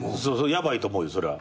ヤバいと思うよそれは。